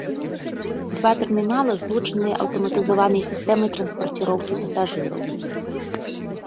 Два тэрмінала злучаныя аўтаматызаванай сістэмай транспарціроўкі пасажыраў.